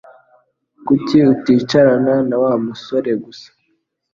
Kuki uticarana na Wa musore gusa